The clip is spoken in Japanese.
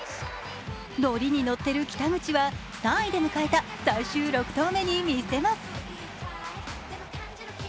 乗りに乗ってる北口は３位で迎えた最終６投目にみせます。